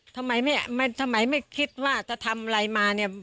ทำไมทำไมไม่คิดว่าจะทำอะไรมาเนี่ย